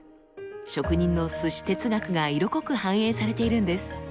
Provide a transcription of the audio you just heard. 職人の鮨哲学が色濃く反映されているんです。